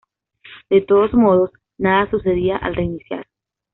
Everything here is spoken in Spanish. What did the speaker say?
De todos modos, nada sucedía al reiniciar.